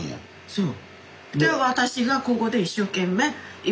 そう。